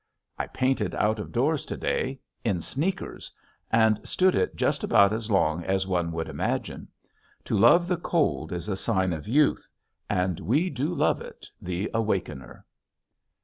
I painted out of doors to day in sneakers! and stood it just about as long as one would imagine. To love the cold is a sign of youth and we do love it, the Awakener.